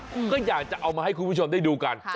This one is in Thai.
ก็อยากจะเอามาให้คุณผู้ชมได้ดูกัน